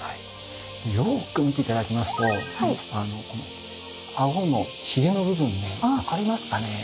よく見て頂きますとこの顎のヒゲの部分分かりますかね？